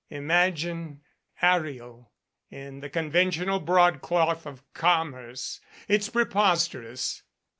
Imagine Ariel in the conventional broadcloth of commerce. It's preposterous.